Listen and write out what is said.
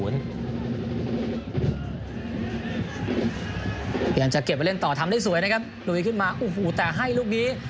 พยายามจะเก็บไว้เล่นต่อทำได้สวยนะครับลุยขึ้นมาโอ้โหแต่ให้ลูกนี้